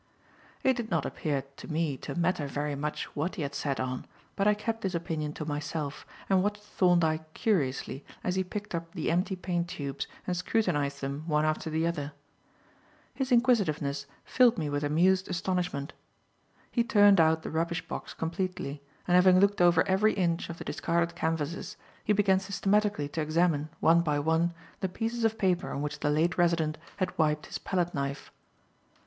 It did not appear to me to matter very much what he had sat on, but I kept this opinion to myself and watched Thorndyke curiously as he picked up the empty paint tubes and scrutinized them one after the other. His inquisitiveness filled me with amused astonishment. He turned out the rubbish box completely, and having looked over every inch of the discarded canvases, he began systematically to examine, one by one, the pieces of paper on which the late resident had wiped his palette knife.